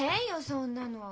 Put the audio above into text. そんなの。